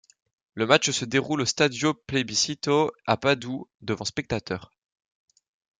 Le match se déroule au Stadio Plebiscito à Padoue devant spectateurs.